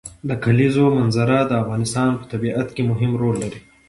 د کلیزو منظره د افغانستان په طبیعت کې مهم رول لري.